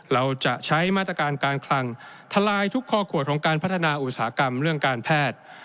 เราจะใช้มาตรการการคลังทลายทุกข้อขวดของการพัฒนาอุตสาหกรรมเรื่องการแพทย์